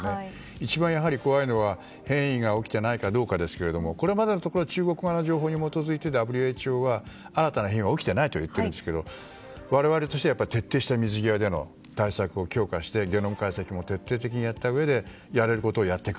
一番怖いのは変異が起きていないかどうかですがこれまでは中国側の情報に基づいてＷＨＯは新たな変異は起きていないと言っているんですけど我々としては徹底した水際での対策を強化してゲノム解析も徹底的にやったうえでやれることをやっていく。